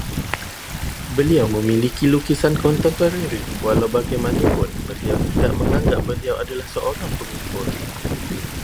Beliau memiliki lukisan kontemporari, walaubagaimanapun beliau tidak menganggap beliau adalah seorang pengumpul